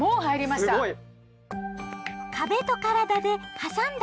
すごい。